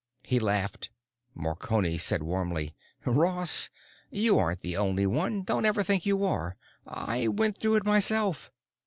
He laughed. Marconi said warmly, "Ross, you aren't the only one; don't ever think you are. I went through it myself.